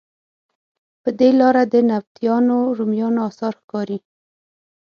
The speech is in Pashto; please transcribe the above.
پر دې لاره د نبطیانو، رومیانو اثار ښکاري.